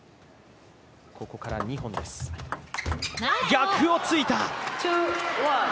逆を突いた。